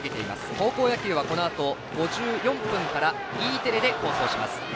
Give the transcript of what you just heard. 高校野球はこのあと５４分からＥテレで放送します。